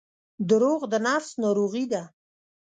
• دروغ د نفس ناروغي ده.